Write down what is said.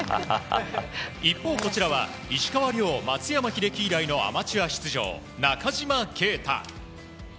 一方、こちらは石川遼、松山英樹以来のアマチュア出場、中島啓太。